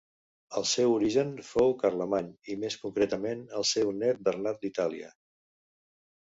El seu origen fou Carlemany i més concretament el seu nét Bernat d'Itàlia.